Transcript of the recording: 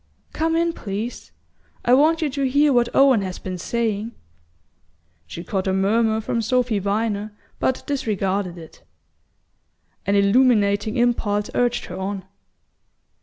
"Come in, please; I want you to hear what Owen has been saying." She caught a murmur from Sophy Viner, but disregarded it. An illuminating impulse urged her on.